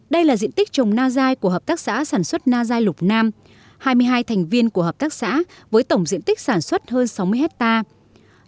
đây là diện tích trồng na dai của hợp tác xã sản xuất na dài lục nam hai mươi hai thành viên của hợp tác xã với tổng diện tích sản xuất hơn sáu mươi hectare